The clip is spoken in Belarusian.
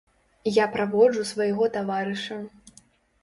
Я праводжу свайго таварыша.